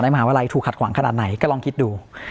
มหาวิทยาลัยถูกขัดขวางขนาดไหนก็ลองคิดดู